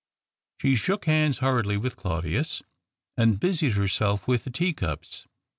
She shook hands hurriedly with Claudius, and busied herself with the tea cups.